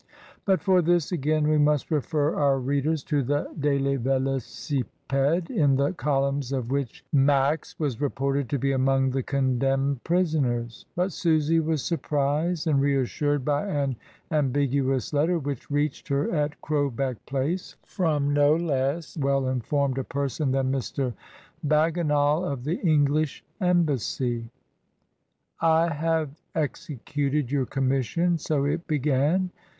But for this again we must refer our readers to the Daily Velocipede , in the columns of which Mi5 was reported to be among the condemned prisonfl^ but Susy was surprised and reassured by an ^' biguous letter, which reached her at Crowbeck Place. from no less well informed a person than Mr. Bag ginal of the English Embassy. l'envoi. 283 "I have executed your commission," so it began.